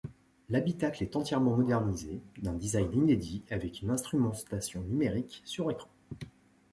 L’habitacle est entièrement modernisé, d’un design inédit, avec une instrumentation numérique sur écran.